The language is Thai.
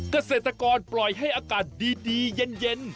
เกษตรกรปล่อยให้อากาศดีเย็น